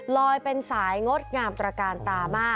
ลอยเป็นสายงดงามตระกาลตามาก